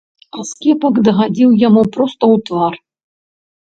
Аскепак дагадзіў яму проста ў твар.